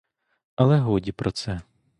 Але годі про це.